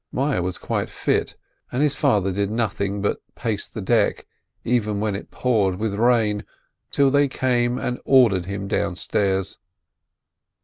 Meyerl was quite fit, and his father did nothing but pace the deck, even when it poured with rain, till they came and ordered him down stairs.